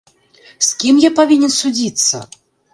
З кім я павінен судзіцца?